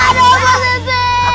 aduh mbak siti